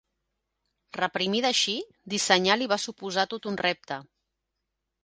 Reprimida així, dissenyar li va suposar tot un repte.